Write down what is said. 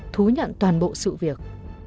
thú nhận toàn bộ sự việc